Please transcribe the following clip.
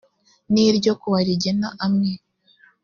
n ryo kuwa rigena amwe